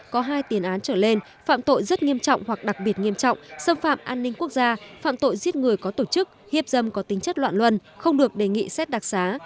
có hai tiền án trở lên phạm tội rất nghiêm trọng hoặc đặc biệt nghiêm trọng xâm phạm an ninh quốc gia phạm tội giết người có tổ chức hiếp dâm có tính chất loạn luân không được đề nghị xét đặc xá